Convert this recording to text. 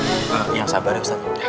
ustadz jangan sabar ya ustadz